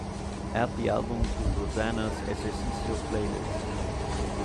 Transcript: Add the album to rosanna's ejercicio playlist.